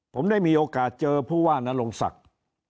ผมได้มีโอกาสเจอผู้ว่านรงศักดิ์